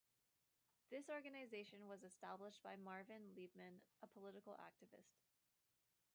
This organization was established by Marvin Liebman, a political activist.